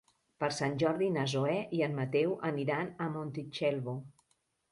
Per Sant Jordi na Zoè i en Mateu aniran a Montitxelvo.